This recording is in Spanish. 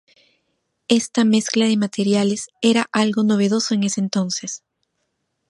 Esta mezcla de materiales era algo novedoso en ese entonces.